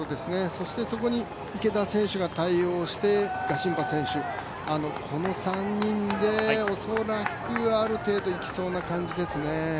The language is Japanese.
そしてそこに池田選手が対応してガシンバ選手、この３人で恐らくある程度いきそうな感じですね。